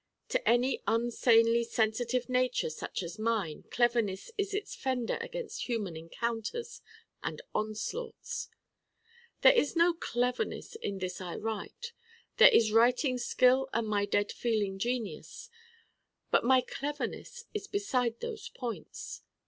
To any un sanely sensitive nature such as mine Cleverness is its fender against human encounters and onslaughts. There is no Cleverness in this I write. There is writing skill and my dead feeling genius. But my Cleverness is beside those points.